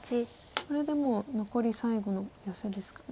これでもう残り最後のヨセですかね。